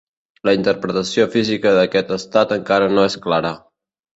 La interpretació física d'aquest estat encara no és clara.